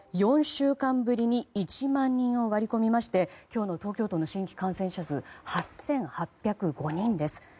４週間ぶりに１万人を割り込みまして今日の東京都の新規感染者数８８０５人です。